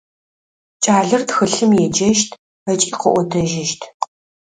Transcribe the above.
Кӏалэр тхылъым еджэщт ыкӏи къыӏотэжьыщт.